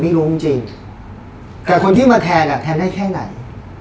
รู้จริงจริงแต่คนที่มาแทงอ่ะแทงได้แค่ไหน